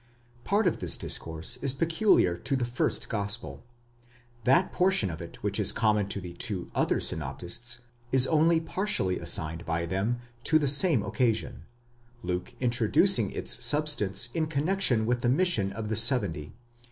Part of this discourse is peculiar to the first gospel ; that portion of it which is common to the two other synoptists is only partially assigned by them to the same occasion, Luke introducing its substance in connexion with the mission of the seventy (x.